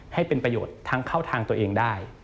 ให้เป็นประโยชน์ทั้งเข้าทางตัวเองได้